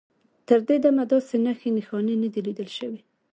تر دې دمه داسې نښې نښانې نه دي لیدل شوي.